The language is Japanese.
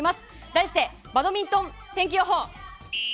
題して、バドミントン天気予報！